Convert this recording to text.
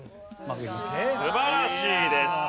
素晴らしいです。